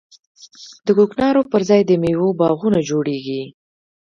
د کوکنارو پر ځای د میوو باغونه جوړیږي.